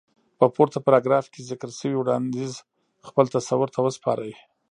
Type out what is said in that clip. په پورته پاراګراف کې ذکر شوی وړانديز خپل تصور ته وسپارئ.